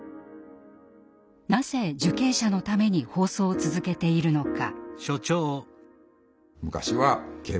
なぜ受刑者のために放送を続けているのか。